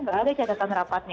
nggak ada catatan rapatnya